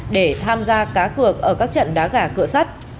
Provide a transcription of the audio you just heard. để tham gia cá cược ở các trận đá gà cựa sắt